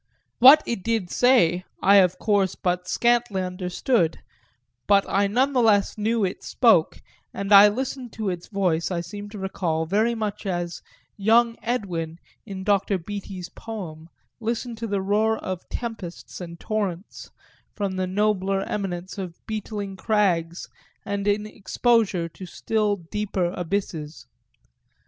What it did say I of course but scantly understood; but I none the less knew it spoke, and I listened to its voice, I seem to recall, very much as "young Edwin," in Dr. Beattie's poem, listened to the roar of tempests and torrents from the nobler eminence of beetling crags and in exposure to still deeper abysses.